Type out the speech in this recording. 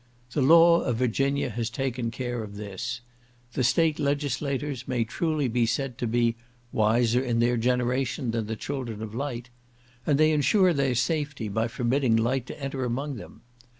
The law of Virginia has taken care of this. The State legislators may truly be said to be "wiser in their generation than the children of light," and they ensure their safety by forbidding light to enter among them.